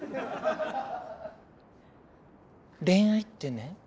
恋愛ってね